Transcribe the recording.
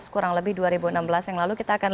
kurang lebih dua ribu enam belas yang lalu kita akan